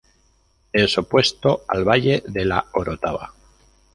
Es opuesto al Valle de La Orotava.